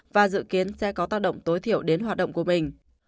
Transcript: và dự kiến sẽ có tác động tối thiểu đến hoạt động của mình